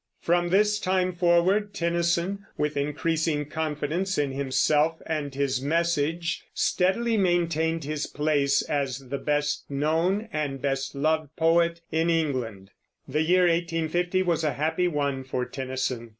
From this time forward Tennyson, with increasing confidence in himself and his message, steadily maintained his place as the best known and best loved poet in England. The year 1850 was a happy one for Tennyson.